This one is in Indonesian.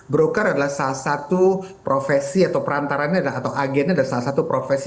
broker adalah salah satu profesi atau perantarannya atau agennya dan salah satu profesi